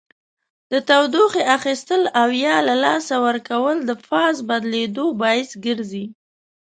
د تودوخې اخیستل او یا له لاسه ورکول د فاز بدلیدو باعث ګرځي.